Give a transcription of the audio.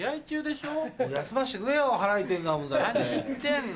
何言ってんの？